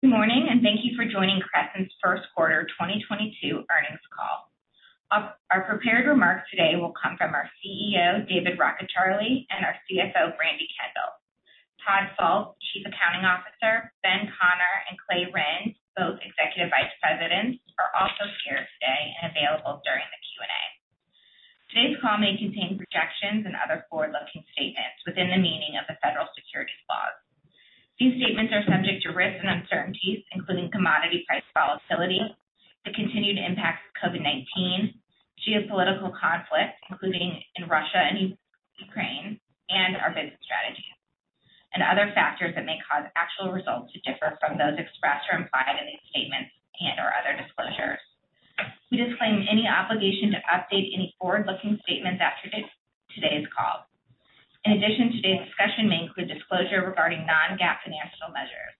Good morning, and thank you for joining Crescent's first quarter 2022 earnings call. Our prepared remarks today will come from our CEO, David Rockecharlie, and our CFO, Brandi Kendall. Todd Salt, Chief Accounting Officer, Ben Conner and Clay Rinn, both Executive Vice Presidents, are also here today and available during the Q&A. Today's call may contain projections and other forward-looking statements within the meaning of the federal securities laws. These statements are subject to risks and uncertainties, including commodity price volatility, the continued impact of COVID-19, geopolitical conflict, including in Russia and Ukraine, and our business strategy, and other factors that may cause actual results to differ from those expressed or implied in these statements and/or other disclosures. We disclaim any obligation to update any forward-looking statements after today's call. In addition, today's discussion may include disclosure regarding non-GAAP financial measures.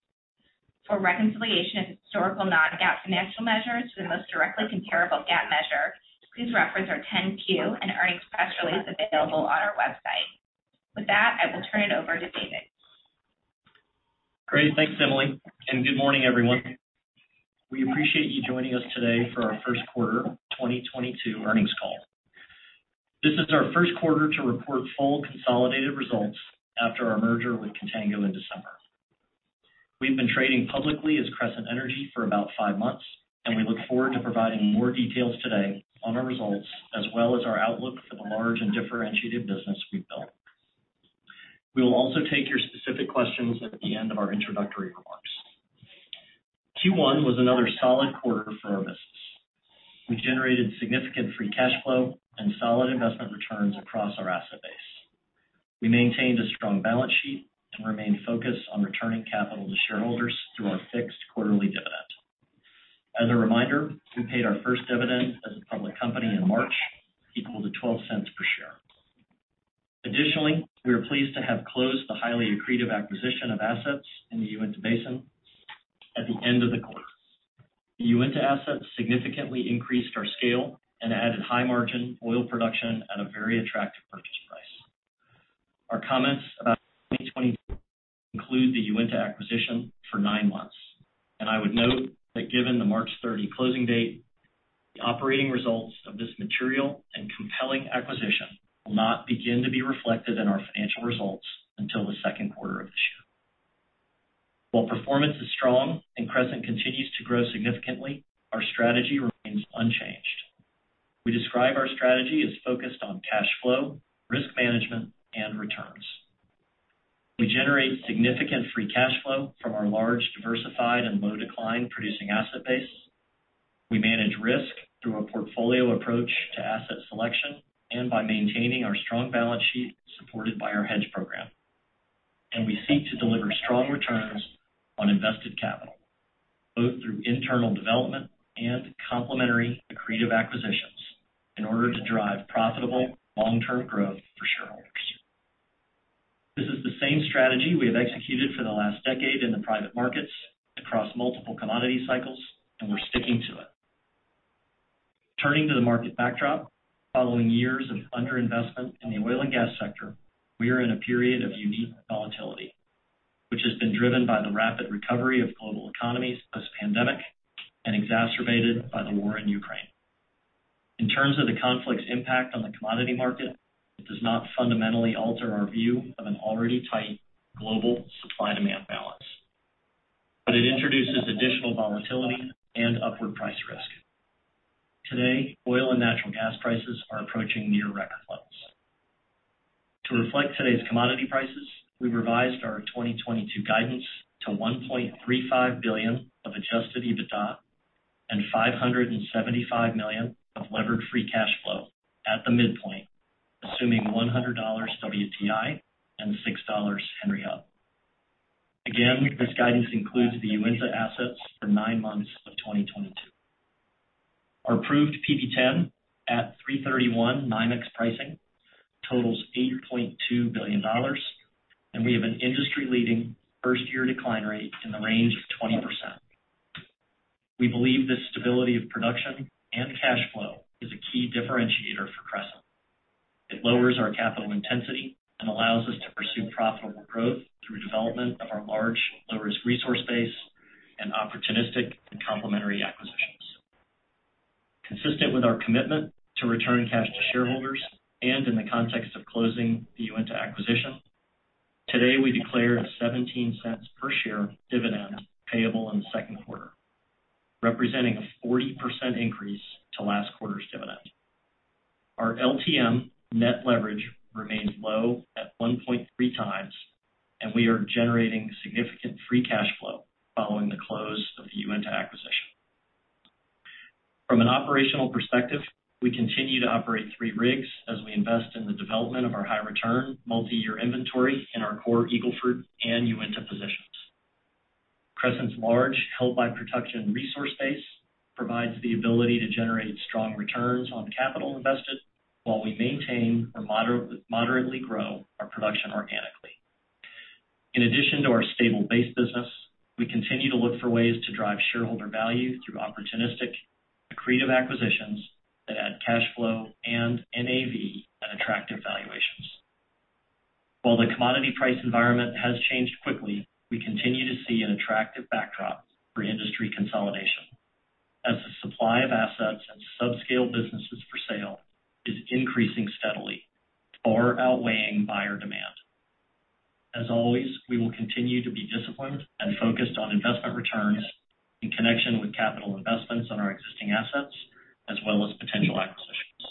For reconciliation of historical non-GAAP financial measures to the most directly comparable GAAP measure, please reference our 10-Q and earnings press release available on our website. With that, I will turn it over to David. Great. Thanks, Emily, and good morning, everyone. We appreciate you joining us today for our first quarter 2022 earnings call. This is our first quarter to report full consolidated results after our merger with Contango in December. We've been trading publicly as Crescent Energy for about five months, and we look forward to providing more details today on our results, as well as our outlook for the large and differentiated business we've built. We will also take your specific questions at the end of our introductory remarks. Q1 was another solid quarter for our business. We generated significant free cash flow and solid investment returns across our asset base. We maintained a strong balance sheet and remain focused on returning capital to shareholders through our fixed quarterly dividend. As a reminder, we paid our first dividend as a public company in March, equal to $0.12 per share. Additionally, we are pleased to have closed the highly accretive acquisition of assets in the Uinta Basin at the end of the quarter. The Uinta assets significantly increased our scale and added high margin oil production at a very attractive purchase price. Our comments about 2022 include the Uinta acquisition for nine months, and I would note that given the March 30 closing date, the operating results of this material and compelling acquisition will not begin to be reflected in our financial results until the second quarter of this year. While performance is strong and Crescent continues to grow significantly, our strategy remains unchanged. We describe our strategy as focused on cash flow, risk management, and returns. We generate significant free cash flow from our large, diversified and low decline producing asset base. We manage risk through a portfolio approach to asset selection and by maintaining our strong balance sheet supported by our hedge program. We seek to deliver strong returns on invested capital, both through internal development and complementary accretive acquisitions in order to drive profitable long-term growth for shareholders. This is the same strategy we have executed for the last decade in the private markets across multiple commodity cycles, and we're sticking to it. Turning to the market backdrop. Following years of under-investment in the oil and gas sector, we are in a period of unique volatility, which has been driven by the rapid recovery of global economies post-pandemic and exacerbated by the war in Ukraine. In terms of the conflict's impact on the commodity market, it does not fundamentally alter our view of an already tight global supply-demand balance, but it introduces additional volatility and upward price risk. Today, oil and natural gas prices are approaching near record levels. To reflect today's commodity prices, we revised our 2022 guidance to $1.35 billion of adjusted EBITDA and $575 million of levered free cash flow at the midpoint, assuming $100 WTI and $6 Henry Hub. Again, this guidance includes the Uinta assets for 9 months of 2022. Our proved PV-10 at $3.31 NYMEX pricing totals $8.2 billion, and we have an industry-leading first year decline rate in the range of 20%. We believe this stability of production and cash flow is a key differentiator for Crescent. It lowers our capital intensity and allows us to pursue profitable growth through development of our large low-risk resource base and opportunistic and complementary acquisitions. Consistent with our commitment to return cash to shareholders and in the context of closing the Uinta acquisition, today we declared $0.17 per share dividend payable in the second quarter, representing a 40% increase to last quarter's dividend. Our LTM net leverage remains low at 1.3 times, and we are generating significant free cash flow following the close of the Uinta acquisition. From an operational perspective, we continue to operate three rigs as we invest in the development of our high return multi-year inventory in our core Eagle Ford and Uinta positions. Crescent's large held by production resource base provides the ability to generate strong returns on capital invested while we maintain or moderately grow our production organically. In addition to our stable base business, we continue to look for ways to drive shareholder value through opportunistic accretive acquisitions that add cash flow and NAV at attractive valuations. While the commodity price environment has changed quickly, we continue to see an attractive backdrop for industry consolidation as the supply of assets and subscale businesses for sale is increasing steadily, far outweighing buyer demand. As always, we will continue to be disciplined and focused on investment returns in connection with capital investments on our existing assets, as well as potential acquisitions.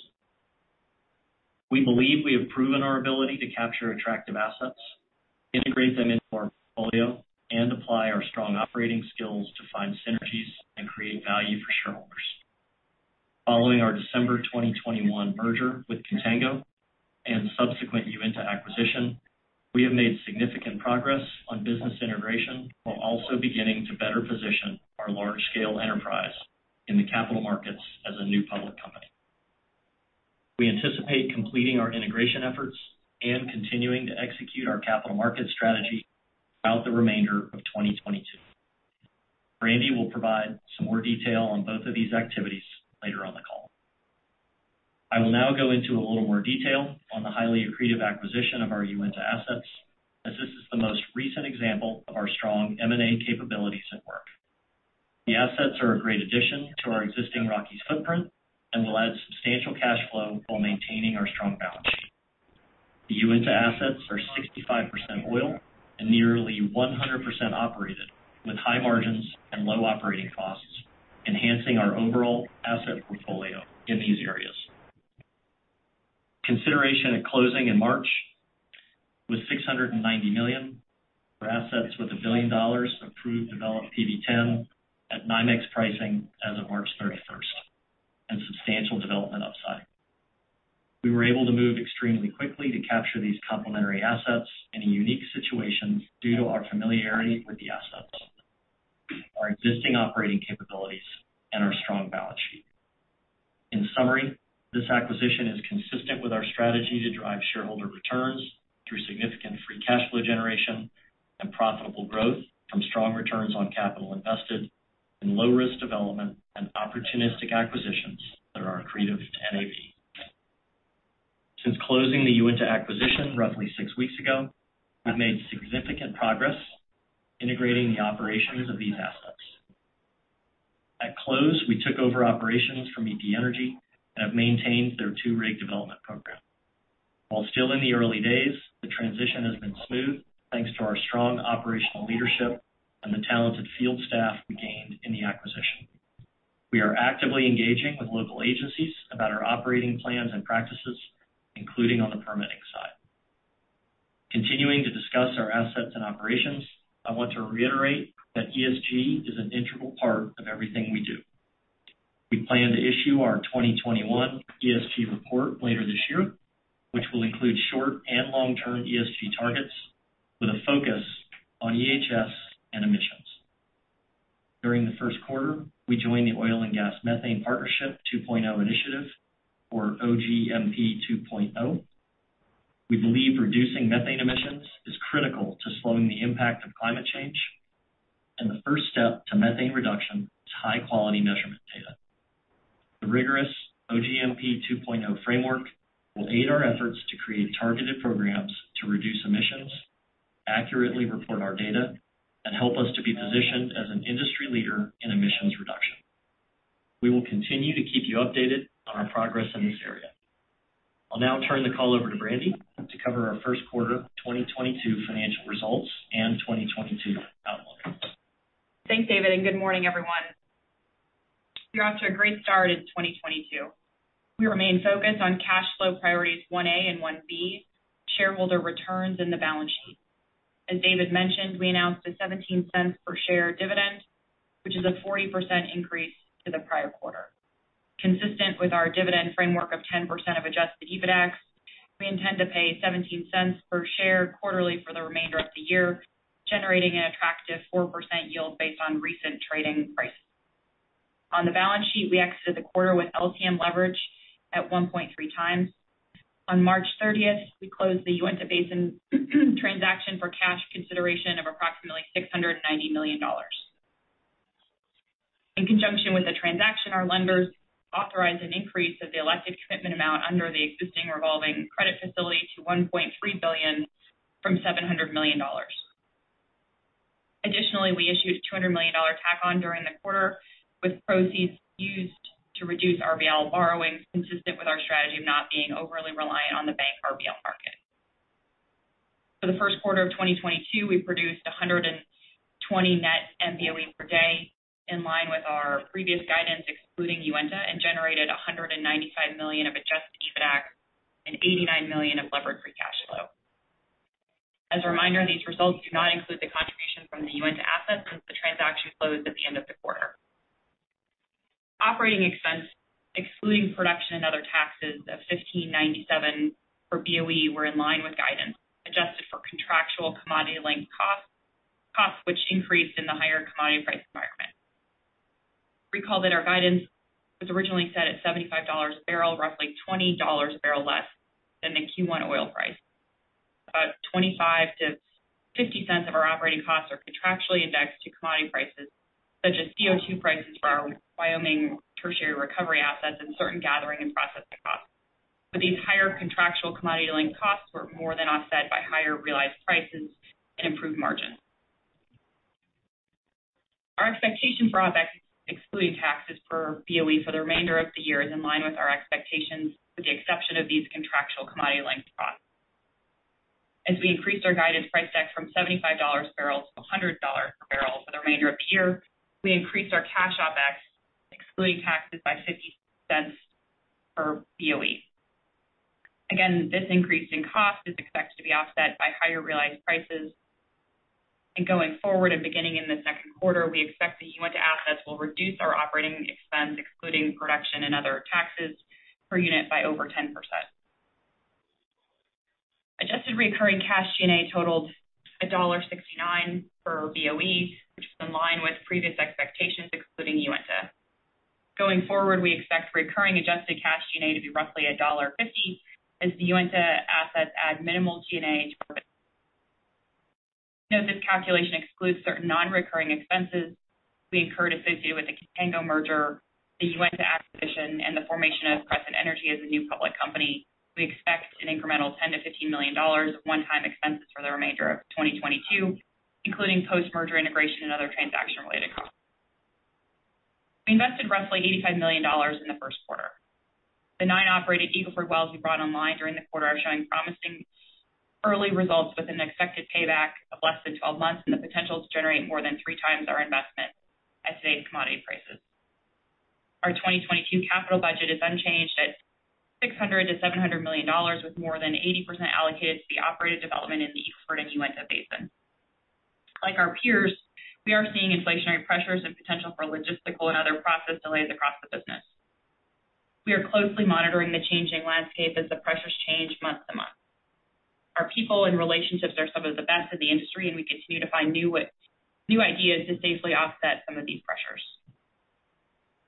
We believe we have proven our ability to capture attractive assets, integrate them into our portfolio, and apply our strong operating skills to find synergies and create value for shareholders. Following our December 2021 merger with Contango and subsequent Uinta acquisition, we have made significant progress on business integration while also beginning to better position our large scale enterprise in the capital markets as a new public company. We anticipate completing our integration efforts and continuing to execute our capital market strategy throughout the remainder of 2022. Brandi will provide some more detail on both of these activities later on the call. I will now go into a little more detail on the highly accretive acquisition of our Uinta assets, as this is the most recent example of our strong M&A capabilities at work. The assets are a great addition to our existing Rockies footprint and will add substantial cash flow while maintaining our strong balance sheet. The Uinta assets are 65% oil and nearly 100% operated with high margins and low operating costs, enhancing our overall asset portfolio in these areas. Consideration at closing in March was $690 million for assets with $1 billion of proved developed PV-10 at NYMEX pricing as of March 31st, and substantial development upside. We were able to move extremely quickly to capture these complementary assets in a unique situation due to our familiarity with the assets, our existing operating capabilities, and our strong balance sheet. In summary, this acquisition is consistent with our strategy to drive shareholder returns through significant free cash flow generation and profitable growth from strong returns on capital invested in low risk development and opportunistic acquisitions that are accretive to NAV. Since closing the Uinta acquisition roughly six weeks ago, we've made significant progress integrating the operations of these assets. At close, we took over operations from EP Energy and have maintained their two rig development program. While still in the early days, the transition has been smooth thanks to our strong operational leadership and the talented field staff we gained in the acquisition. We are actively engaging with local agencies about our operating plans and practices, including on the permitting side. Continuing to discuss our assets and operations, I want to reiterate that ESG is an integral part of everything we do. We plan to issue our 2021 ESG report later this year, which will include short and long term ESG targets with a focus on EHS and emissions. During the first quarter, we joined the Oil & Gas Methane Partnership 2.0 initiative or OGMP 2.0. We believe reducing methane emissions is critical to slowing the impact of climate change, and the first step to methane reduction is high quality measurement data. The rigorous OGMP 2.0 framework will aid our efforts to create targeted programs to reduce emissions, accurately report our data, and help us to be positioned as an industry leader in emissions reduction. We will continue to keep you updated on our progress in this area. I'll now turn the call over to Brandy to cover our first quarter 2022 financial results and 2022 outlook. Thanks, David, and good morning, everyone. We're off to a great start in 2022. We remain focused on cash flow priorities 1A and 1B, shareholder returns and the balance sheet. As David mentioned, we announced a $0.17 per share dividend, which is a 40% increase to the prior quarter. Consistent with our dividend framework of 10% of adjusted EBITDAX, we intend to pay $0.17 per share quarterly for the remainder of the year, generating an attractive 4% yield based on recent trading prices. On the balance sheet, we exited the quarter with LTM leverage at 1.3 times. On March 30, we closed the Uinta Basin transaction for cash consideration of approximately $690 million. In conjunction with the transaction, our lenders authorized an increase of the elected commitment amount under the existing revolving credit facility to $1.3 billion from $700 million. Additionally, we issued a $200 million tack-on during the quarter, with proceeds used to reduce RBL borrowings, consistent with our strategy of not being overly reliant on the bank RBL market. For the first quarter of 2022, we produced 120 net MBOE per day, in line with our previous guidance excluding Uinta, and generated $195 million of adjusted EBITDAX and $89 million of levered free cash flow. As a reminder, these results do not include the contribution from the Uinta assets since the transaction closed at the end of the quarter. Operating expense, excluding production and other taxes of $15.97 per BOE were in line with guidance, adjusted for contractual commodity linked costs which increased in the higher commodity price environment. Recall that our guidance was originally set at $75 a barrel, roughly $20 a barrel less than the Q1 oil price. Twenty-five to fifty cents of our operating costs are contractually indexed to commodity prices, such as CO2 prices for our Wyoming tertiary recovery assets and certain gathering and processing costs. These higher contractual commodity-linked costs were more than offset by higher realized prices and improved margins. Our expectation for OpEx, excluding taxes per BOE for the remainder of the year is in line with our expectations, with the exception of these contractual commodity-linked costs. As we increased our guided price deck from $75 per barrel to $100 per barrel for the remainder of the year, we increased our cash OPEX, excluding taxes, by $0.50 per BOE. Again, this increase in cost is expected to be offset by higher realized prices. Going forward and beginning in the second quarter, we expect the Uinta assets will reduce our operating expense, excluding production and other taxes per unit by over 10%. Adjusted recurring cash G&A totaled $1.69 per BOE, which is in line with previous expectations, excluding Uinta. Going forward, we expect recurring adjusted cash G&A to be roughly $1.50, as the Uinta assets add minimal G&A to our business. This calculation excludes certain non-recurring expenses we incurred associated with the Contango merger, the Uinta acquisition, and the formation of Crescent Energy as a new public company. We expect an incremental $10 million-$15 million of one-time expenses for the remainder of 2022, including post-merger integration and other transaction-related costs. We invested roughly $85 million in the first quarter. The nine operated Eagle Ford wells we brought online during the quarter are showing promising early results with an expected payback of less than 12 months, and the potential to generate more than 3 times our investment at today's commodity prices. Our 2022 capital budget is unchanged at $600 million-$700 million, with more than 80% allocated to the operated development in the Eagle Ford and Uinta basins. Like our peers, we are seeing inflationary pressures and potential for logistical and other process delays across the business. We are closely monitoring the changing landscape as the pressures change month to month. Our people and relationships are some of the best in the industry, and we continue to find new ideas to safely offset some of these pressures.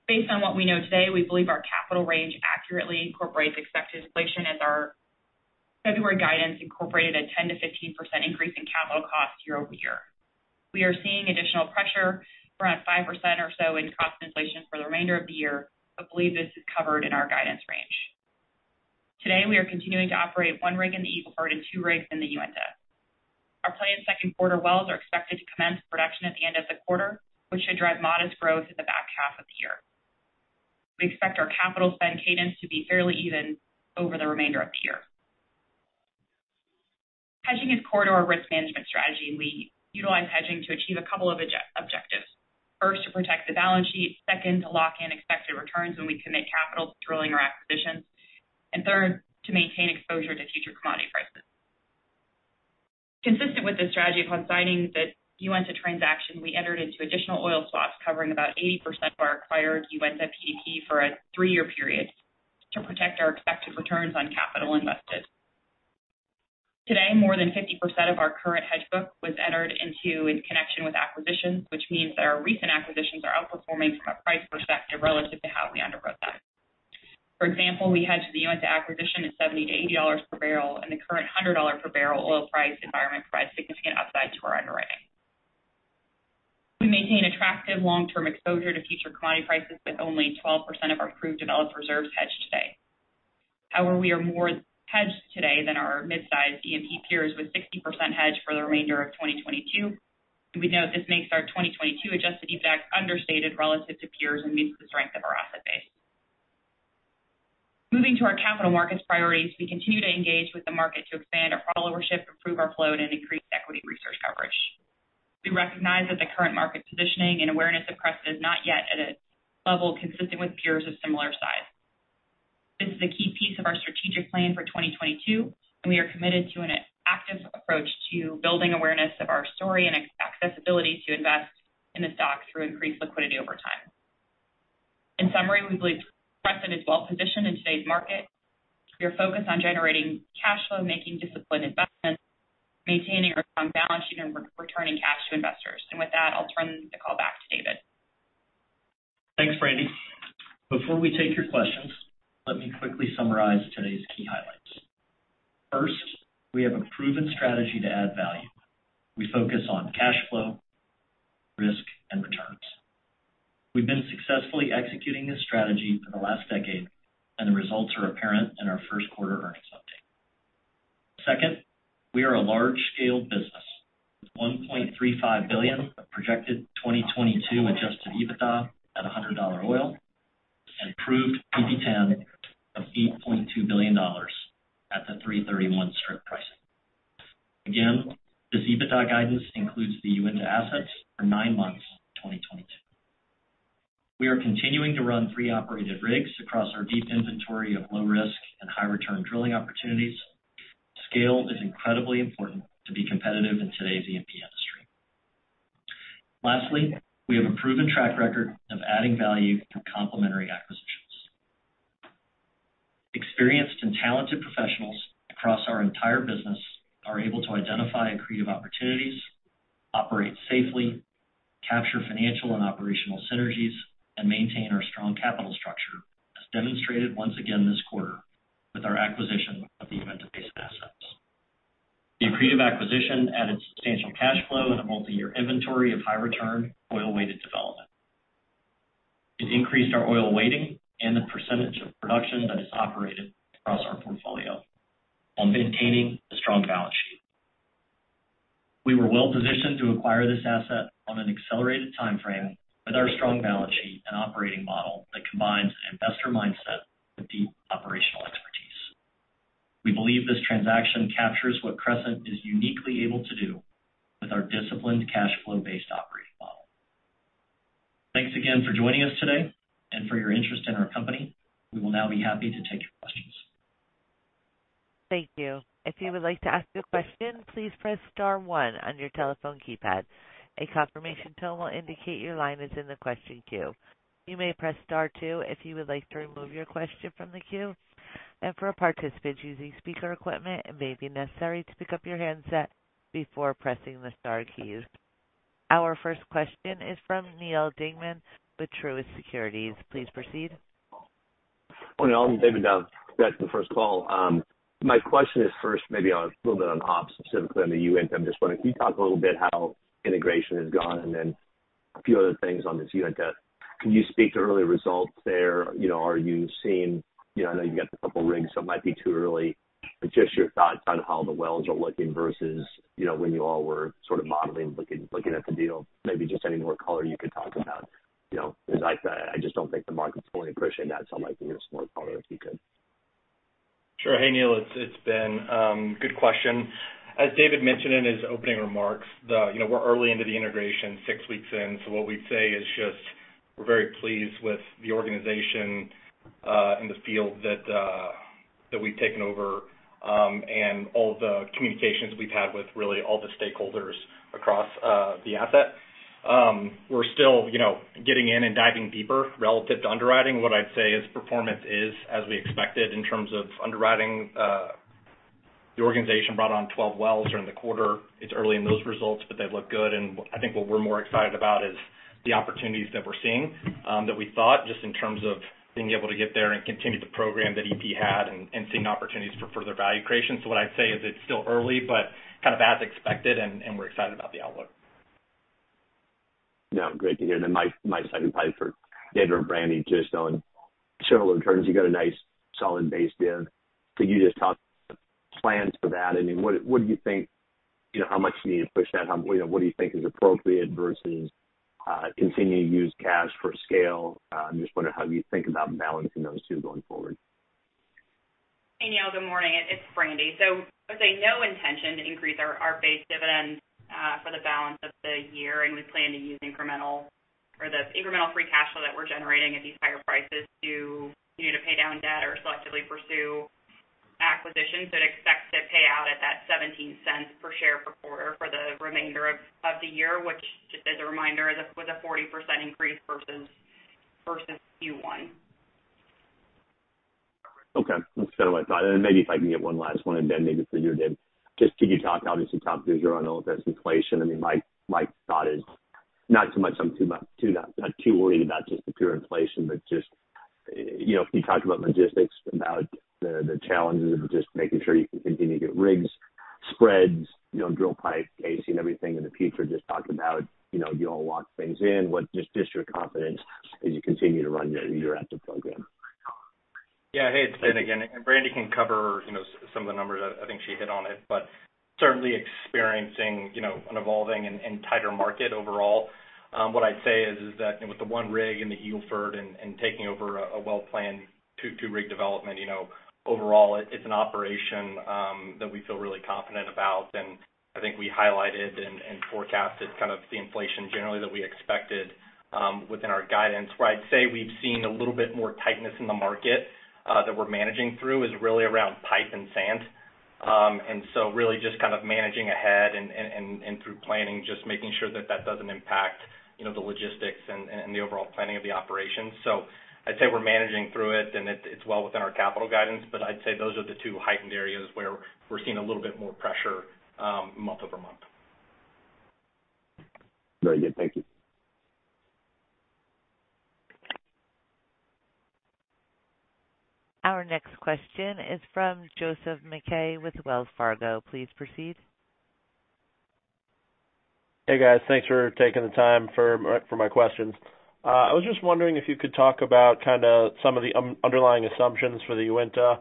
Based on what we know today, we believe our capital range accurately incorporates expected inflation as our February guidance incorporated a 10%-15% increase in capital costs year-over-year. We are seeing additional pressure around 5% or so in cost inflation for the remainder of the year, but believe this is covered in our guidance range. Today, we are continuing to operate one rig in the Eagle Ford and two rigs in the Uinta. Our planned second quarter wells are expected to commence production at the end of the quarter, which should drive modest growth in the back half of the year. We expect our capital spend cadence to be fairly even over the remainder of the year. Hedging is core to our risk management strategy, and we utilize hedging to achieve a couple of objectives. First, to protect the balance sheet. Second, to lock in expected returns when we commit capital to drilling or acquisitions. Third, to maintain exposure to future commodity prices. Consistent with this strategy, upon signing the Uinta transaction, we entered into additional oil swaps covering about 80% of our acquired Uinta PDP for a three-year period to protect our expected returns on capital invested. Today, more than 50% of our current hedge book was entered into in connection with acquisitions, which means that our recent acquisitions are outperforming from a price perspective relative to how we underwrote them. For example, we hedged the Uinta acquisition at $70-$80 per barrel, and the current $100 per barrel oil price environment provides significant upside to our underwriting. We maintain attractive long-term exposure to future commodity prices, with only 12% of our proved developed reserves hedged today. However, we are more hedged today than our mid-sized E&P peers, with 60% hedged for the remainder of 2022. We note this makes our 2022 adjusted EBITDA understated relative to peers and meets the strength of our asset base. Moving to our capital markets priorities, we continue to engage with the market to expand our followership, improve our float and increase equity research coverage. We recognize that the current market positioning and awareness of Crescent is not yet at a level consistent with peers of similar size. This is a key piece of our strategic plan for 2022, and we are committed to an active approach to building awareness of our story and accessibility to invest in the stock through increased liquidity over time. In summary, we believe Crescent is well positioned in today's market. We are focused on generating cash flow, making disciplined investments, maintaining a strong balance sheet, and returning cash to investors. With that, I'll turn the call back to David. Thanks, Brandy. Before we take your questions, let me quickly summarize today's key highlights. First, we have a proven strategy to add value. We focus on cash flow, risk, and returns. We've been successfully executing this strategy for the last decade, and the results are apparent in our first quarter earnings update. Second, we are a large-scale business, with $1.35 billion of projected 2022 adjusted EBITDA at $100 oil, and proved PV-10 of $8.2 billion at the 3/31 strip pricing. Again, this EBITDA guidance includes the Uinta assets for nine months, 2022. We are continuing to run 3 operated rigs across our deep inventory of low risk and high return drilling opportunities. Scale is incredibly important to be competitive in today's E&P industry. Lastly, we have a proven track record of adding value through complementary acquisitions. Experienced and talented professionals across our entire business are able to identify accretive opportunities. Operate safely, capture financial and operational synergies, and maintain our strong capital structure, as demonstrated once again this quarter with our acquisition of the Uinta Basin assets. The accretive acquisition added substantial cash flow and a multi-year inventory of high return oil-weighted development. It increased our oil weighting and the percentage of production that is operated across our portfolio while maintaining a strong balance sheet. We were well-positioned to acquire this asset on an accelerated timeframe with our strong balance sheet and operating model that combines an investor mindset with deep operational expertise. We believe this transaction captures what Crescent is uniquely able to do with our disciplined cash flow-based operating model. Thanks again for joining us today and for your interest in our company. We will now be happy to take your questions. Thank you. If you would like to ask a question, please press star one on your telephone keypad. A confirmation tone will indicate your line is in the question queue. You may press star two if you would like to remove your question from the queue. For participants using speaker equipment, it may be necessary to pick up your handset before pressing the star keys. Our first question is from Neal Dingmann with Truist Securities. Please proceed. Good morning, all. I'm David Dow. That's the first call. My question is first maybe on a little bit on ops, specifically on the Uinta. I'm just wondering if you talk a little bit how integration has gone, and then a few other things on this Uinta. Can you speak to early results there? You know, are you seeing, you know, I know you got a couple rigs, so it might be too early, but just your thoughts on how the wells are looking versus, you know, when you all were sort of modeling, looking at the deal. Maybe just any more color you could talk about. You know, because I just don't think the market's fully appreciating that, so I'm looking at a small part of it, if you could. Sure. Hey, Neal, it's Ben. Good question. As David mentioned in his opening remarks, you know, we're early into the integration, six weeks in. What we'd say is just we're very pleased with the organization in the field that we've taken over, and all the communications we've had with really all the stakeholders across the asset. We're still, you know, getting in and diving deeper relative to underwriting. What I'd say is performance is as we expected in terms of underwriting. The organization brought on 12 wells during the quarter. It's early in those results, but they look good. I think what we're more excited about is the opportunities that we're seeing, that we thought just in terms of being able to get there and continue the program that EP had and seeing opportunities for further value creation. What I'd say is it's still early, but kind of as expected and we're excited about the outlook. No, great to hear. My second probably for David or Brandi, just on share returns. You got a nice solid base there. Could you just talk plans for that? I mean, what do you think, you know, how much do you need to push that? How, you know, what do you think is appropriate versus continuing to use cash for scale? I'm just wondering how you think about balancing those two going forward. Hey, Neal. Good morning. It's Brandi. I'd say no intention to increase our base dividend for the balance of the year. We plan to use the incremental free cash flow that we're generating at these higher prices to, you know, pay down debt or selectively pursue acquisitions. Expect to pay out at that $0.17 per share per quarter for the remainder of the year, which just as a reminder was a 40% increase versus Q1. Okay. That's kind of what I thought. Then maybe if I can get one last one, then maybe for you, David. Just could you talk, obviously, top of year, I know there's inflation. I mean, my thought is not so much, I'm not too worried about just the pure inflation, but just, you know, can you talk about logistics, about the challenges of just making sure you can continue to get rigs, spreads, you know, drill pipe, casing, everything in the future? Just talk about, you know, you all lock things in. Just your confidence as you continue to run your active program. Yeah. Hey, it's Ben again. Brandi can cover, you know, some of the numbers. I think she hit on it. Certainly experiencing, you know, an evolving and tighter market overall. What I'd say is that with the one rig in the Uinta and taking over a well-planned two-rig development, you know, overall it's an operation that we feel really confident about. I think we highlighted and forecasted kind of the inflation generally that we expected within our guidance. Where I'd say we've seen a little bit more tightness in the market that we're managing through is really around pipe and sand. Really just kind of managing ahead and through planning, just making sure that that doesn't impact, you know, the logistics and the overall planning of the operations. I'd say we're managing through it, and it's well within our capital guidance, but I'd say those are the two heightened areas where we're seeing a little bit more pressure, month-over-month. Very good. Thank you. Our next question is from Joseph McKay with Wells Fargo. Please proceed. Hey, guys. Thanks for taking the time for my questions. I was just wondering if you could talk about kinda some of the underlying assumptions for the Uinta,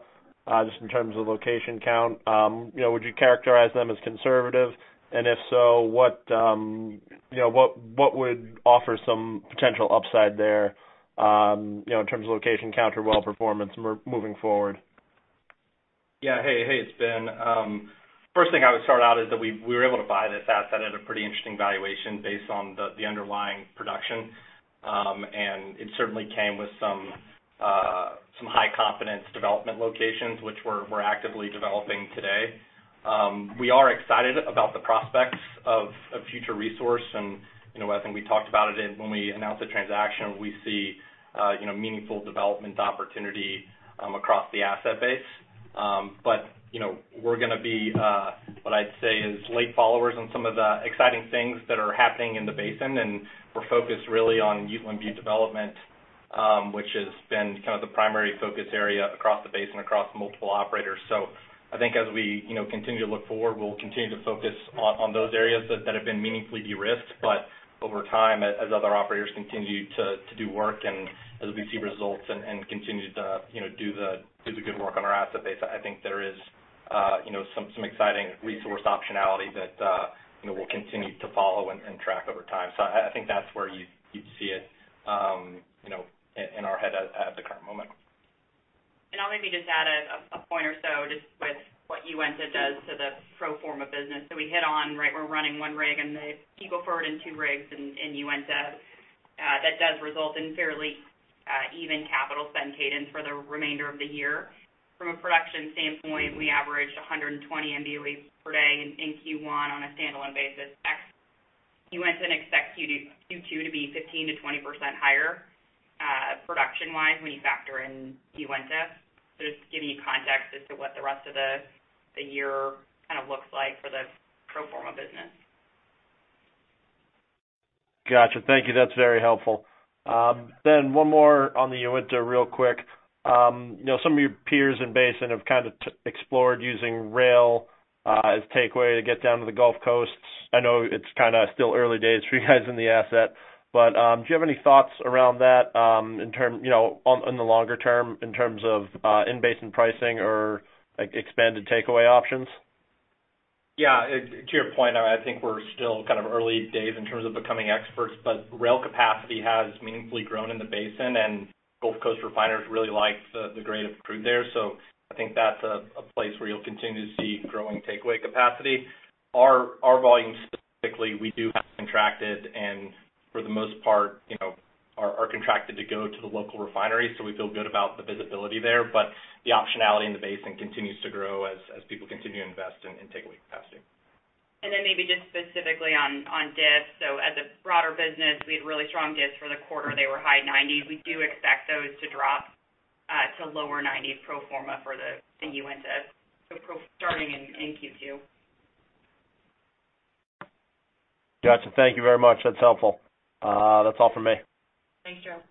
just in terms of location count. You know, would you characterize them as conservative? If so, what would offer some potential upside there, you know, in terms of location count or well performance moving forward? Yeah. Hey, hey, it's Ben. First thing I would start out is that we were able to buy this asset at a pretty interesting valuation based on the underlying production. It certainly came with some high confidence development locations, which we're actively developing today. We are excited about the prospects of future resource. You know, I think we talked about it and when we announced the transaction, we see you know meaningful development opportunity across the asset base. You know, we're gonna be what I'd say is late followers on some of the exciting things that are happening in the basin, and we're focused really on UMB development, which has been kind of the primary focus area across the basin, across multiple operators. I think as we, you know, continue to look forward, we'll continue to focus on those areas that have been meaningfully de-risked. Over time, as other operators continue to do work and as we see results and continue to, you know, do the good work on our asset base, I think there is, you know, some exciting resource optionality that, you know, we'll continue to follow and track over time. I think that's where you'd see it, you know, in our head at the current moment. I'll maybe just add a point or so just with what Uinta does to the pro forma business. We hit on, right, we're running 1 rig in Eagle Ford and 2 rigs in Uinta. That does result in fairly even capital spend cadence for the remainder of the year. From a production standpoint, we averaged 120 MBOE per day in Q1 on a standalone basis. Ex Uinta and expect Q2 to be 15%-20% higher production-wise when you factor in Uinta. Just to give you context as to what the rest of the year kind of looks like for the pro forma business. Gotcha. Thank you. That's very helpful. One more on the Uinta real quick. You know, some of your peers in-basin have kind of explored using rail as takeaway to get down to the Gulf Coast. I know it's kinda still early days for you guys in the asset, but do you have any thoughts around that, in terms, you know, on, in the longer term in terms of, in-basin pricing or, like, expanded takeaway options? Yeah. To your point, I think we're still kind of early days in terms of becoming experts, but rail capacity has meaningfully grown in the basin, and Gulf Coast refiners really like the grade of crude there. I think that's a place where you'll continue to see growing takeaway capacity. Our volumes specifically, we do have contracted and for the most part, you know, are contracted to go to the local refinery, so we feel good about the visibility there. The optionality in the basin continues to grow as people continue to invest in takeaway capacity. Maybe just specifically on diffs. As a broader business, we had really strong diffs for the quarter. They were high 90s. We do expect those to drop to lower 90s pro forma in Uinta starting in Q2. Gotcha. Thank you very much. That's helpful. That's all for me. Thanks, Joe.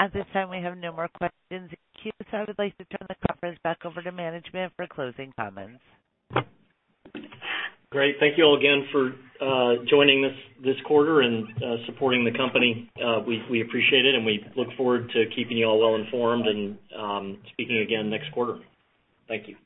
At this time, we have no more questions in queue, so I would like to turn the conference back over to management for closing comments. Great. Thank you all again for joining us this quarter and supporting the company. We appreciate it, and we look forward to keeping you all well informed and speaking again next quarter. Thank you.